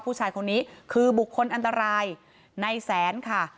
ผู้ชายคนนี้คือบุคคลอันตรายในแสนค่ะ